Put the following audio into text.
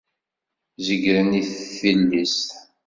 Zegren i tilist.